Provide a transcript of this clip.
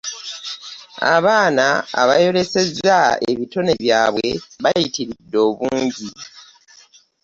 Abaana abayoleseza ebitone byabwe bayitiride obungi.